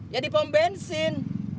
ya di pom bensin